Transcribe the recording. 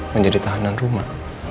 menjadi tahanan rumah